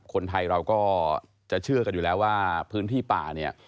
คนไทยเราก็จะเชื่อกันอยู่แล้วว่าพื้นที่ป่าเนี่ย